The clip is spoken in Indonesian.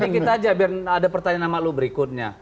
nanti kita saja biar ada pertanyaan sama lu berikutnya